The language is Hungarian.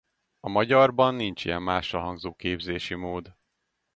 A magyarban nincs ilyen mássalhangzó-képzési mód.